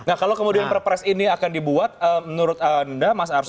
nah kalau kemudian perpres ini akan dibuat menurut anda mas arsul